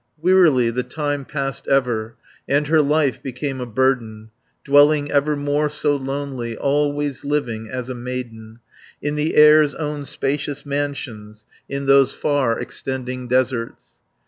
Wearily the time passed ever. And her life became a burden, Dwelling evermore so lonely, Always living as a maiden, 120 In the Air's own spacious mansions, In those far extending deserts.